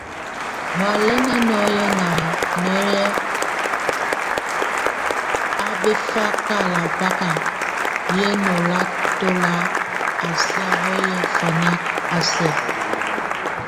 Hɔalɛn nɔ́ye na nɔy a befakalakak, ye nólatolat a sa hɔye fámak, a sɛk.